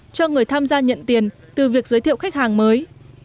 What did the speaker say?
cho người tham gia nhận tiền từ việc giới thiệu khách hàng mới